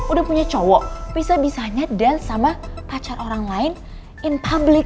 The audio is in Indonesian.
udah punya cowok bisa bisanya dance sama pacar orang lain in public